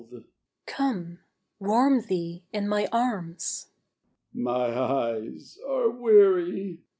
She Come! warm thee in my arms. He My eyes are weary.